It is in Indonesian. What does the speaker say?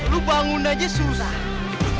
lu bangun aja susah